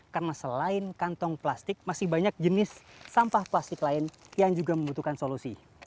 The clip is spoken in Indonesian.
karena selain kantong plastik masih banyak jenis sampah plastik lain yang juga membutuhkan solusi